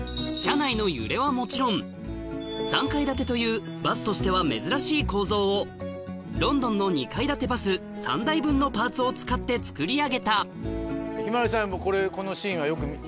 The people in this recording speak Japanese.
はもちろん３階建てというバスとしては珍しい構造をロンドンの２階建てバス３台分のパーツを使って作り上げた向日葵さん。